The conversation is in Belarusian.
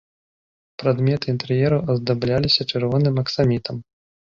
Прадметы інтэр'еру аздабляліся чырвоным аксамітам.